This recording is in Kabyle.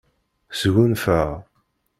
Sgunfaɣ.